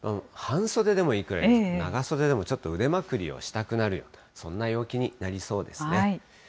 半袖でもいいくらい、長袖でもちょっと腕まくりをしたくなるような、そんな陽気になりそうですね。